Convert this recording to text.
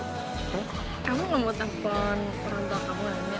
kamu nggak mau telepon orang tua kamu lagi